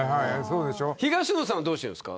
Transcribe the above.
東野さんはどうしているんですか。